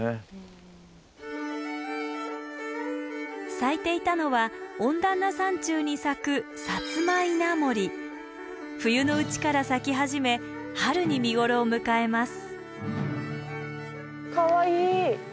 咲いていたのは温暖な山中に咲く冬のうちから咲き始め春に見頃を迎えます。